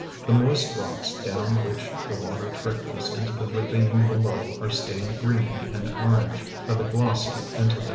The moist rocks down which the water trickles into the ravine below are stained green and orange by the glossy Entodon.